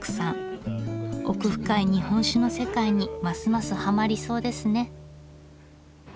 奥深い日本酒の世界にますますハマりそうですね。